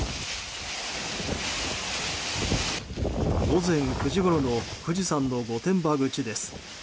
午前９時ごろの富士山の御殿場口です。